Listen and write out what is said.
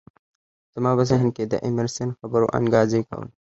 زما په ذهن کې د ایمرسن خبرو انګازې کولې